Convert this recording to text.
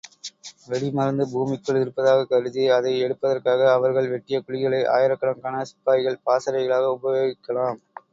வெடிமருந்து பூமிக்குள் இருப்பதாகக் கருதி அதை எடுப்பதற்காக அவர்கள் வெட்டிய குழிகளை, ஆயிரக்கணக்கான சிப்பாய்கள் பாசறைகளாக உபயோகிக்கலாம்.